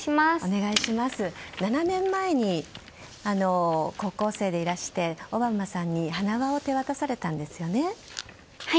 ７年前に高校生でいらしてオバマさんに花輪を手渡されたんですよね。